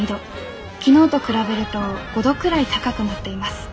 昨日と比べると５度くらい高くなっています。